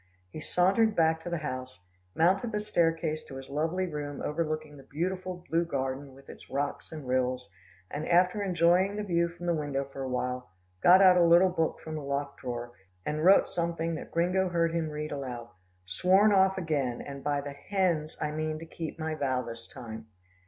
He sauntered back to the house, mounted the staircase to his lovely room overlooking the beautiful, blue garden with its rocks and rills, and after enjoying the view from the window for a while, got out a little book from a locked drawer, and wrote something that Gringo heard him read aloud, "Sworn off again, and by the hens, I mean to keep my vow this time."